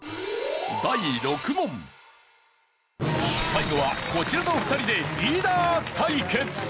最後はこちらの２人でリーダー対決。